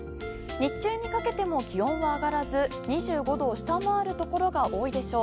日中にかけても気温は上がらず、２５度を下回る所が多いでしょう。